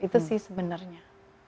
itu sih sebenarnya